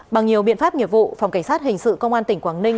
bằng nhiều biện pháp nghiệp vụ phòng cảnh sát hình sự công an tỉnh quảng ninh